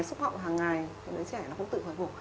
xúc họng hàng ngày